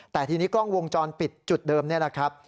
แต่ทีนี้กล้องวงจรปิดจุดเดิมนี่แหละครับ